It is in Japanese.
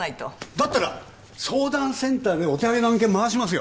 だったら相談センターでお手上げの案件回しますよ。